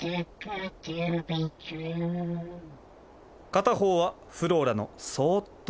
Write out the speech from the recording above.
片方はフローラのそうっと